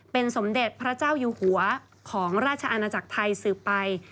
เป็นสมเด็จพระเจ้าอยู่หัวของราชอาณาจักรไทยสืบไป